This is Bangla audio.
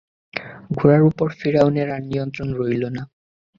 ঘোড়ার উপর ফিরআউনের আর নিয়ন্ত্রণ রইল না।